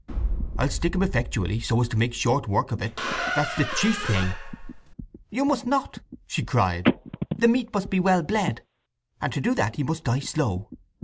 "I'll stick him effectually, so as to make short work of it. That's the chief thing." "You must not!" she cried. "The meat must be well bled, and to do that he must die slow.